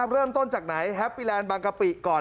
เริ่มต้นจากไหนแฮปปี้แลนด์บางกะปิก่อน